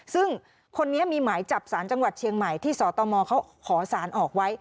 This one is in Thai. ซึ่งคนนี้มีหมายจับสารจังหวัดเชียงใหม่ที่สตมเขาขอสารออกไว้